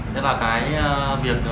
thế là cái việc